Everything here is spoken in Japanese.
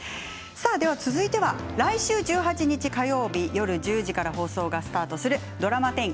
続いては来週１８日火曜日夜１０時から放送がスタートするドラマ１０